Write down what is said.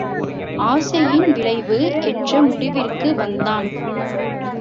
ஆசையின் விளைவு! என்ற முடிவிற்கு வந்தான்.